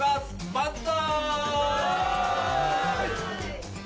万歳！